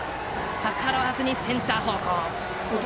逆らわずにセンター方向。